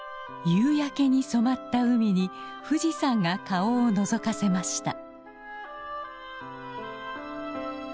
夕焼けに染まった海に富士山が顔をのぞかせました。